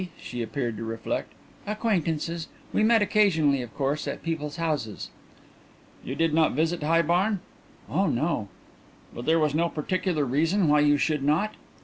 She appeared to reflect. "Acquaintances.... We met occasionally, of course, at people's houses." "You did not visit High Barn?" "Oh no." "But there was no particular reason why you should not?"